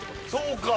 そうか！